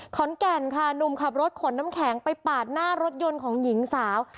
ขอนแก่นค่ะหนุ่มขับรถขนน้ำแข็งไปปาดหน้ารถยนต์ของหญิงสาว